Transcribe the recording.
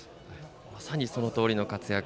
まさにそのとおりの活躍。